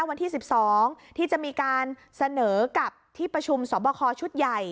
วันที่๑๒ที่จะมีการเสนอกับที่ประชุมสอบคอชุดใหญ่